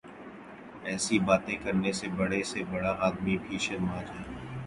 ایسی باتیں کرنے سے بڑے سے بڑا آدمی بھی شرما جائے۔